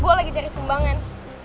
saya sedang mencari sumbangan